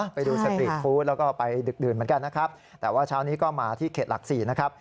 ไปดูสตรีทฟู้ดแล้วก็ไปดึกดื่นเหมือนกันนะครับแต่ว่าเช้านี้ก็มาที่เขตหลัก๔นะครับ